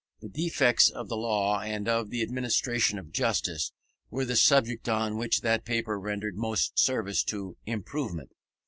The defects of the law, and of the administration of justice, were the subject on which that paper rendered most service to improvement.